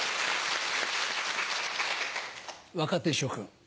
若手諸君。